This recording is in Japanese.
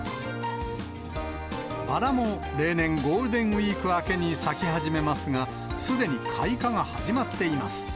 バラも例年、ゴールデンウィーク明けに咲き始めますが、すでに開花が始まっています。